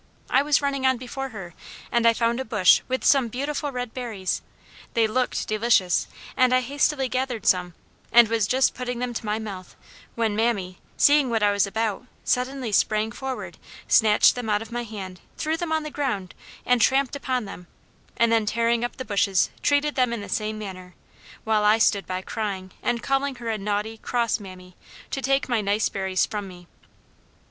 I was running on before her, and I found a bush with some most beautiful red berries; they looked delicious, and I hastily gathered some, and was just putting them to my mouth when mammy, seeing what I was about, suddenly sprang forward, snatched them out of my hand, threw them on the ground, and tramped upon them; and then tearing up the bushes treated them in the same manner, while I stood by crying and calling her a naughty, cross mammy, to take my nice berries from me."